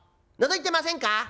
のぞいてませんか？